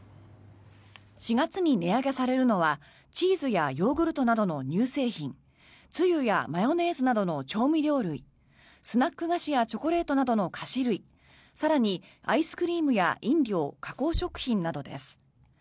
４月に値上げされるのはチーズやヨーグルトなどの乳製品つゆやマヨネーズなどの調味料類スナック菓子やチョコレートなどの菓子類更に、アイスクリームや飲料加工食品などです。